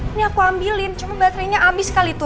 ini aku ambilin cuma baterenya abis kali tuh